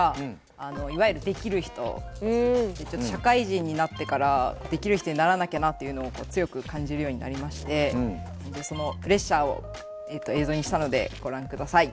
社会人になってからデキる人にならなきゃなっていうのを強く感じるようになりましてそのプレッシャーを映像にしたのでご覧下さい。